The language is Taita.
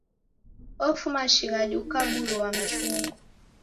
Ofuma shighadi ukaburua mchungu.